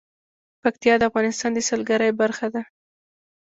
پکتیا د افغانستان د سیلګرۍ برخه ده.